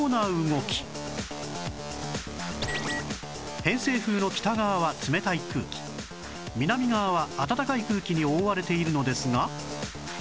偏西風の北側は冷たい空気南側は暖かい空気に覆われているのですが